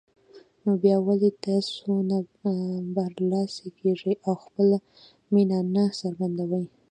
نو بيا ولې تاسو نه برلاسه کېږئ او خپله مينه نه څرګندوئ